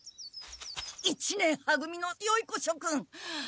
一年は組のよい子しょくん！